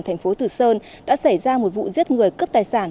thành phố từ sơn đã xảy ra một vụ giết người cướp tài sản